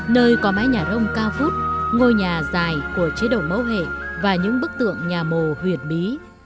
nơi có mái nhà rông cao phút ngôi nhà dài của chế độ mẫu hệ và những bức tượng nhà mồ huyệt bí